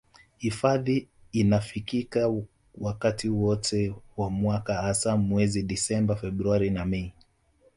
Hifadhi inafikika wakati wote wa mwaka hasa mwezi disemba februari na mei